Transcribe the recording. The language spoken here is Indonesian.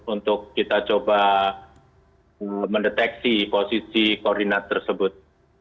untuk kita coba mendeteksi posisi koordinat tersebut